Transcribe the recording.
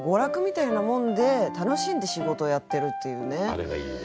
あれがいいね。